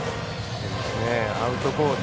アウトコース